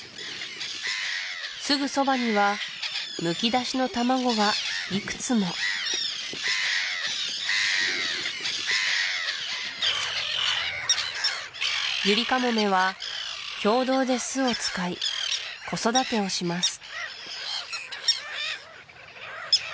すぐそばにはむきだしの卵がいくつもユリカモメは共同で巣を使い子育てをします